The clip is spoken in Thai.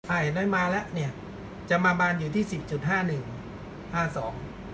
ไอ้น้อยมาแล้วเนี่ยจะมาบานอยู่ที่สิบจุดห้าหนึ่งห้าสอง